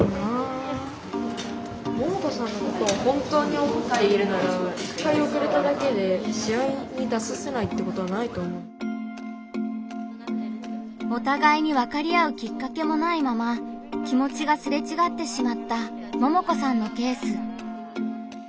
ももこさんのケースではお互いに分かり合うきっかけもないまま気持ちがすれちがってしまったももこさんのケース。